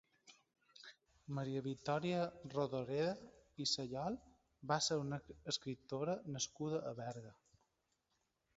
Maria Victòria Rodoreda i Sayol va ser una escriptora nascuda a Berga.